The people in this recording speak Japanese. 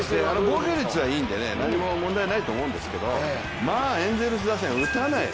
防御率はいいんで何も問題ないと思うんですけどまあエンゼルス打線、打たない。